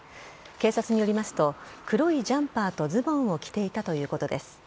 警察によりますと黒いジャンパーとズボンを着ていたということです。